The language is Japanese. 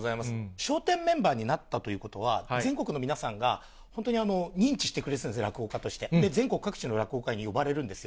笑点メンバーになったということは、全国の皆さんが、本当に認知してくれてたんですね、落語家として、で、全国各地の落語会に呼ばれるんですよ。